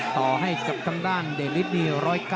ต่อให้กับทางด้านเดลิสนี่๑๐๙